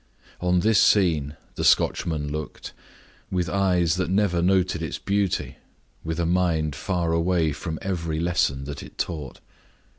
On this scene the Scotchman looked, with eyes that never noted its beauty, with a mind far away from every lesson that it taught.